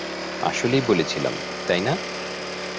আসলেই বলেছিলাম, তাই না?